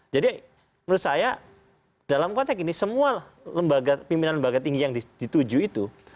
jadi menurut saya dalam konteks ini semua pimpinan lembaga tinggi yang dituju itu